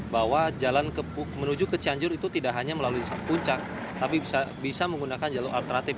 bahwa jalan menuju ke cianjur itu tidak hanya melalui puncak tapi bisa menggunakan jalur alternatif